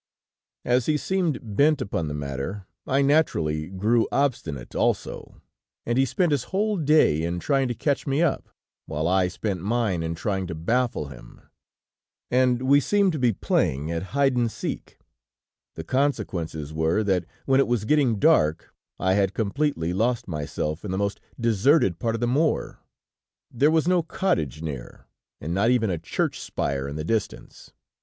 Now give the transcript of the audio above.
"As he seemed bent upon the matter, I naturally grew obstinate also, and he spent his whole day in trying to catch me up, while I spent mine in trying to baffle him, and we seemed to be playing at hide and seek; the consequences were, that when it was getting dark, I had completely lost myself in the most deserted part of the moor. There was no cottage near, and not even a church spire in the distance.